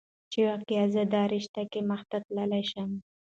چې واقعا زه دې رشته کې مخته تللى شم.